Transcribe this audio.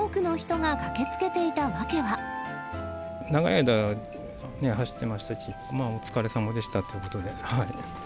長い間、走ってましたし、もうお疲れさまでしたということで。